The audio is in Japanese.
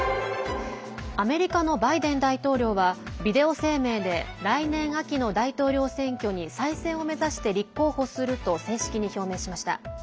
アメリカのバイデン大統領はビデオ声明で来年秋の大統領選挙に再選を目指して立候補すると正式に表明しました。